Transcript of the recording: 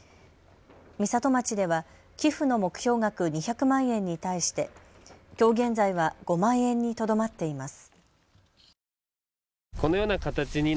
美里町では寄付の目標額２００万円に対してきょう現在は５万円にとどまっています。